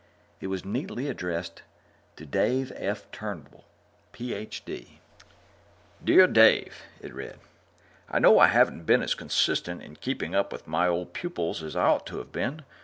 It was neatly addressed to Dave F. Turnbull, Ph.D. Dear Dave (it read): I know I haven't been as consistent in keeping up with my old pupils as I ought to have been.